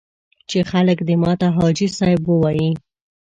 چې خلک دې ماته حاجي صاحب ووایي.